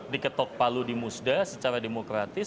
diketok palu di musda secara demokratis